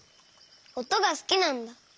おとがすきなんだ。